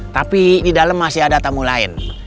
tapi di dalam masih ada tamu lain